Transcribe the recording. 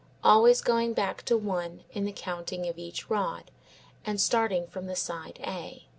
always going back to one in the counting of each rod, and starting from the side A.